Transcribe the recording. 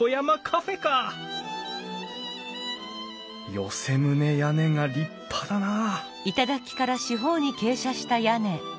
寄棟屋根が立派だなあ